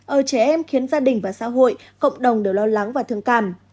ở trẻ em khiến gia đình và xã hội cộng đồng đều lo lắng và thương cảm